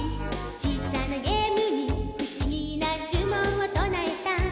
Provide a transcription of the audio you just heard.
「小さなゲームにふしぎなじゅもんをとなえた」